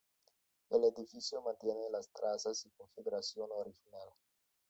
El edificio mantiene las trazas y configuración original.